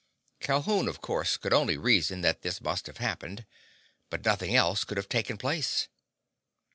Calhoun, of course, could only reason that this must have happened. But nothing else could have taken place.